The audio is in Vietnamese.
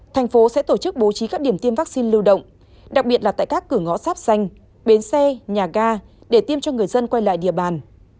thành phố sẽ tổ chức bố trí các điểm tiêm vaccine lưu động đặc biệt là tại các cửa ngõ sáp xanh bến xe nhà ga để tiêm cho người dân quay lại địa bàn